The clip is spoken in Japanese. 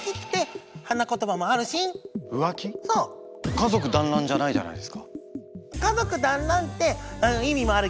「家族だんらん」じゃないじゃないですか。